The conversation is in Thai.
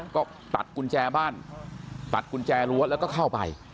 ก็ตัดกุญแจบ้านตัดกุญแจรั้วแล้วก็เข้าไป